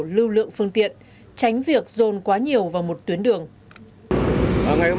lưu lượng phương tiện tránh việc dồn quá nhiều vào một tuyến đường